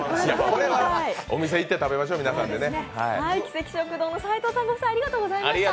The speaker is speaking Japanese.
お店行って食べましょう、皆さんでね。